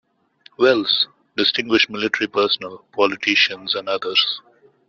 Wells, distinguished military personnel, politicians, and others.